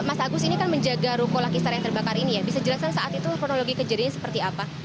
mas agus ini kan menjaga ruko lakistar yang terbakar ini ya bisa jelaskan saat itu kronologi kejadiannya seperti apa